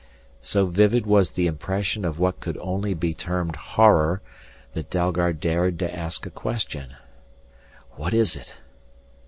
So vivid was the impression of what could only be termed horror that Dalgard dared to ask a question: "What is it?"